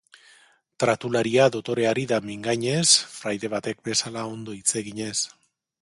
Tratularia dotore ari da mingainez, fraide batek bezala ondo hitz eginez.